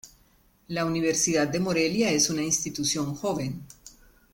La Universidad de Morelia es una institución joven.